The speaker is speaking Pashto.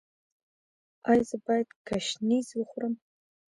ایا زه باید ګشنیز وخورم؟